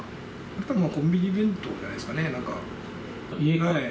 たぶんコンビニ弁当じゃないですかね。